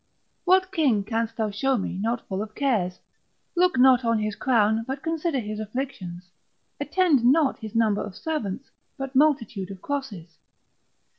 What king canst thou show me, not full of cares? Look not on his crown, but consider his afflictions; attend not his number of servants, but multitude of crosses.